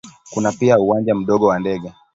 Kuna pia uwanja mdogo wa ndege.